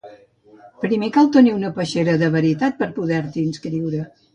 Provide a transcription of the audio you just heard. Primer cal tenir una peixera de veritat, per poder-t'hi inscriure.